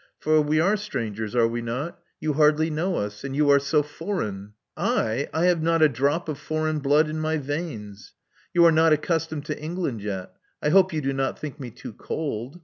For we are stiangers, are we not? You hardly know ns. And yon are so foreign]*^ ''I! I have not a drc^ of foreign blood in niy vdmL Yon are not accustomed to England yet. I hope yon do not think me too cold.